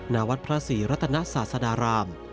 ณวัดพระศรีรัตนศาสดาราม